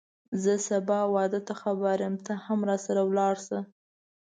زه سبا واده ته خبر یم ته هم راسره ولاړ شه